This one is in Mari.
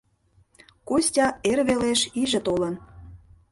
Костя эр велеш иже толын.